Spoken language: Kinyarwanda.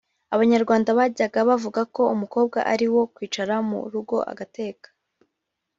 Abanyarwanda bajyaga bavuga ko umukobwa ari uwo kwicara mu rugo agateka